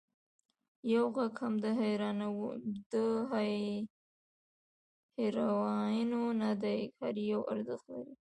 یو غږ هم د هېروانیو نه دی، هر یو ارزښت لري.